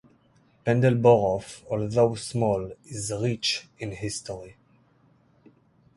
Penndel Borough, although small, is rich in history.